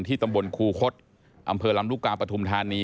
ตำบลคูคศอำเภอลำลูกกาปฐุมธานี